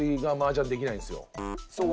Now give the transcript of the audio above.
そう。